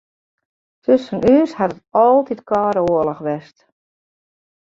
Tusken ús hat it altyd kâlde oarloch west.